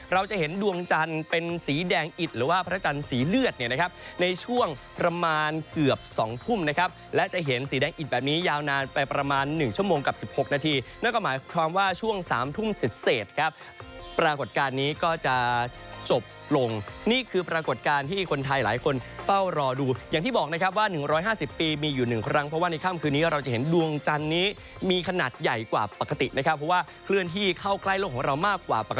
เราจะเห็นดวงจันทร์เป็นสีแดงอิดหรือว่าพระจันทร์สีเลือดเนี่ยนะครับในช่วงประมาณเกือบ๒ทุ่มนะครับและจะเห็นสีแดงอิดแบบนี้ยาวนานไปประมาณ๑ชั่วโมงกับ๑๖นาทีนั่นก็หมายความว่าช่วง๓ทุ่มเสร็จครับปรากฏการณ์นี้ก็จะจบลงนี่คือปรากฏการณ์ที่คนไทยหลายคนเป้ารอดูอย่างที่บอกนะครับว่า๑๕๐ป